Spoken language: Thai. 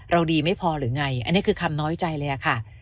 ดีไม่พอหรือไงอันนี้คือคำน้อยใจเลยค่ะ